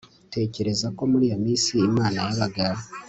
Tekereza ko muri iyo minsi Imana yabaga